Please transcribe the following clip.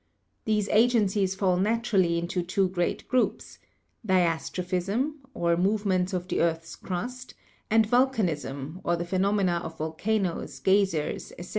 These agencies fall naturally into two great groups : Di astrophism, or movements of the earth's crust; and Vul canism, or the phenomena of volcanoes, geysers, etc.